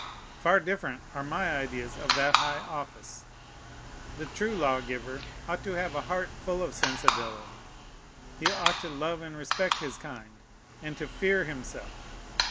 Far different are my ideas of that high office. The true lawgiver ought to have a heart full of sensibility. He ought to love and respect his kind, and to fear himself.